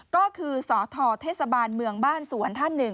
ก็คือสทเทศบาลเมืองบ้านสวนท่านหนึ่ง